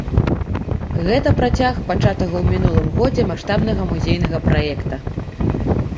Гэта працяг пачатага ў мінулым годзе маштабнага музейнага праекта.